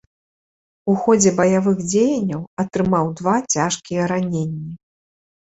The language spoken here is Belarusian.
У ходзе баявых дзеянняў атрымаў два цяжкія раненні.